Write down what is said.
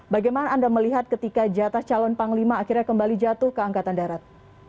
bagaimana anda melihat ketika jatah calon panglima akhirnya kembali jatuh ke angkatan darat